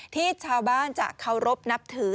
ที่ชาวบ้านจะเคารพนับถือ